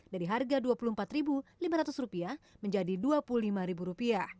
dari harga rp dua puluh empat lima ratus menjadi rp dua puluh lima